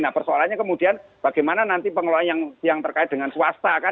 nah persoalannya kemudian bagaimana nanti pengelolaan yang terkait dengan swasta kan